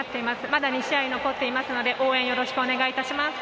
まだ２試合残っていますので応援よろしくお願いします。